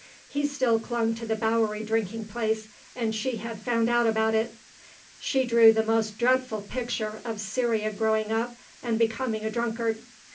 He still clung to the Bowery drinking place, and she had found out about it. She drew the most dreadful picture of Cyria growing up and becoming a drunkard.